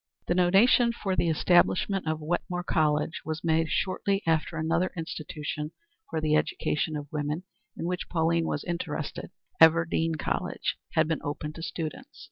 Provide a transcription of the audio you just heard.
The donation for the establishment of Wetmore College was made shortly after another institution for the education of women in which Pauline was interested Everdean College had been opened to students.